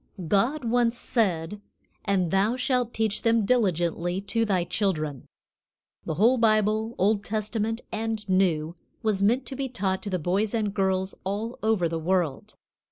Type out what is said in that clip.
GOD once said: "And thou shalt teach them diligently to thy children." The whole Bible, Old Testament and New, was meant to be taught to the boys and girls all over the world.